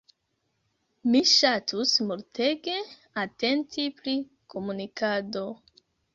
Mi ŝatus multege atenti pri komunikado.